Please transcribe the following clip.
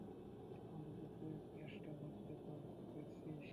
অন্তত তুই কেসটা ধরতে পেরেছিস।